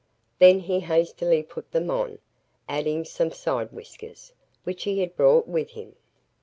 Then he hastily put them on, adding some side whiskers, which he had brought with him.